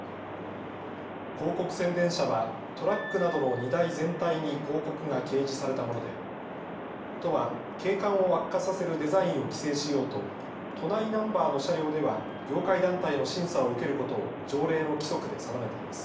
広告宣伝車はトラックなどの荷台全体に広告が掲示されたもので都は景観を悪化させるデザインを規制しようと都内ナンバーの車両では業界団体の審査を受けることを条例の規則で定めています。